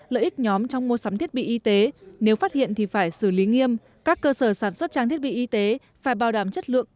lợi ích nhóm trong mua sắm thiết bị y tế nếu phát hiện thì phải xử lý nghiêm